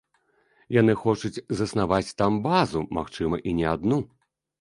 Яны хочуць заснаваць там базу, магчыма і не адну.